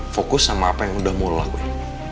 fokus sama apa yang udah mau lo lakukan